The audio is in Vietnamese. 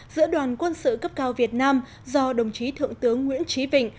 giữa đoàn quân sự cấp cao việt nam do đồng chí thượng tướng nguyễn trí vịnh